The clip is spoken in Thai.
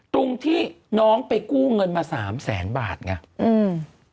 ตรงที่น้องไปกู้เงินมาสามแสนบาทไงอืม